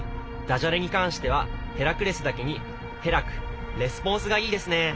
ダジャレに関してはヘラクレスだけにへらくレスポンスがいいですねえ。